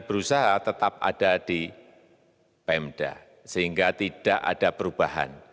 berusaha tetap ada di pemda sehingga tidak ada perubahan